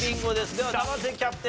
では生瀬キャプテン。